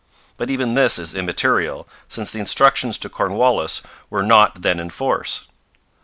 But even this is immaterial, since the instructions to Cornwallis were not then in force.